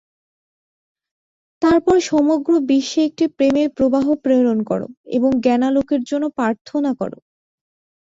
তারপর সমগ্র বিশ্বে একটি প্রেমের প্রবাহ প্রেরণ কর এবং জ্ঞানালোকের জন্য প্রার্থনা কর।